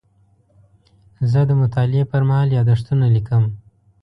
زه د مطالعې پر مهال یادښتونه لیکم.